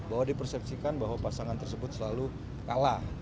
bahwa dipersepsikan bahwa pasangan tersebut selalu kalah